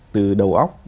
từ đầu óc